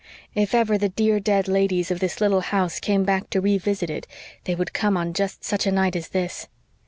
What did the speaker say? If ever the dear dead ladies of this little house came back to revisit it they would come on just such a night as this.